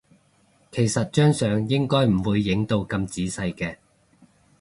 其實張相應該唔會影到咁仔細嘅